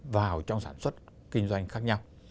vào trong sản xuất kinh doanh khác nhau